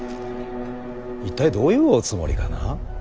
一体どういうおつもりかな。